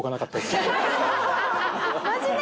真面目！